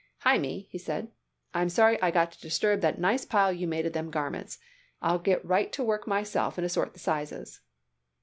"Hymie," he said, "I'm sorry I got to disturb that nice pile you made of them garments. I'll get right to work myself and assort the sizes."